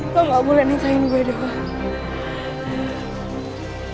kau gak boleh nikahin gue doang